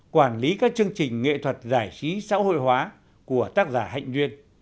quản lý các chương trình nghệ thuật giải trí xã hội hóa của tác giả hạnh duyên